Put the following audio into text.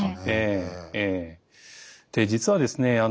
で実はですね